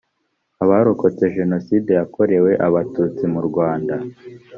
abarokotse jenoside yakorewe abatutsi murwanda